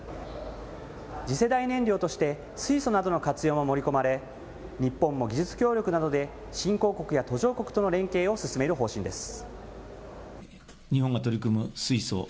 次世代燃料として、水素などの活用も盛り込まれ、日本も技術協力などで、新興国や途上国との連携を進める方針です。